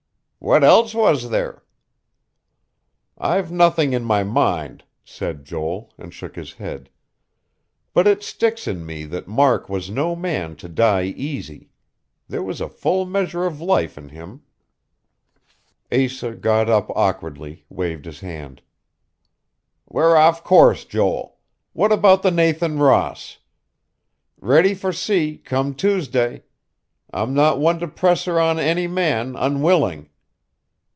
"What else was there?" "I've nothing in my mind," said Joel, and shook his head. "But it sticks in me that Mark was no man to die easy. There was a full measure of life in him." Asa got up awkwardly, waved his hand. "We're off the course, Joel. What about the Nathan Ross? Ready for sea, come Tuesday. I'm not one to press her on any man, unwilling.